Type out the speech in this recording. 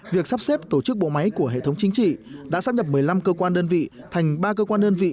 việc sắp xếp tổ chức bộ máy của hệ thống chính trị đã sắp nhập một mươi năm cơ quan đơn vị thành ba cơ quan đơn vị